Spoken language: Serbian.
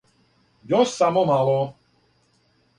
Још само мало!